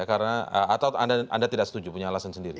karena atau anda tidak setuju punya alasan sendiri